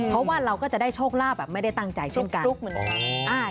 เพราะว่าเราก็จะได้โชคลาภแบบไม่ได้ตั้งใจเช่นกัน